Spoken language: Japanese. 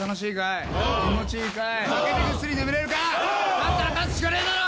「だったら勝つしかねえだろ！」